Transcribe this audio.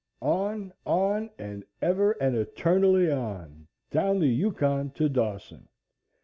"On, on, and ever and eternally on, down the Yukon to Dawson!"